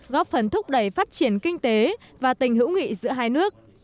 góp phần thúc đẩy phát triển kinh tế và tình hữu nghị giữa hai nước